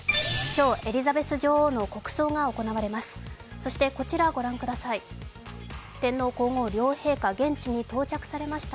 今日、エリザベス女王の国葬が行われます。